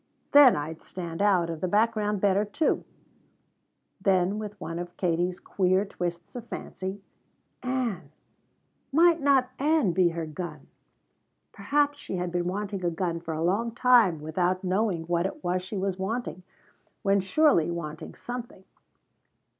Then I'd stand out of the background better, too." Then with one of Katie's queer twists of fancy Ann! Might not Ann be her gun? Perhaps she had been wanting a gun for a long time without knowing what it was she was wanting when surely wanting something.